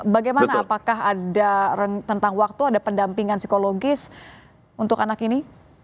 bagaimana apakah ada tentang waktu ada pendampingan psikologis untuk anak ini